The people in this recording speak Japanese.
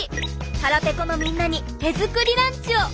腹ぺこのみんなに手作りランチを！